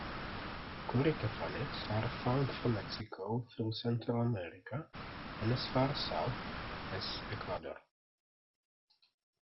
Corytophanids are found from Mexico, through Central America, and as far south as Ecuador.